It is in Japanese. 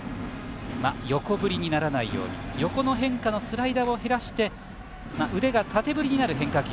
横振りにならないように横の変化のスライダーを減らして腕が縦振りになる変化球